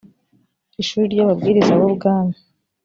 ishuri ry ‘ababwiriza b’ ubwami .